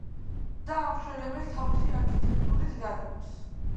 და ამშვენებენ თავისი არქიტექტურით გარემოს.